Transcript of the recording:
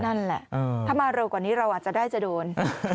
นั่นแหละถ้ามาเร็วกว่านี้เราอาจจะได้จะโดน